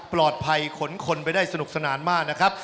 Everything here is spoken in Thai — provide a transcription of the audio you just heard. ปลอดภัยขนคนไปได้สนุกสนานมากนะครับ